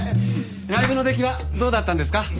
ライブの出来はどうだったんですか？